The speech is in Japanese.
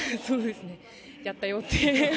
やったよって。